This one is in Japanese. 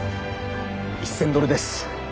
１，０００ドルです。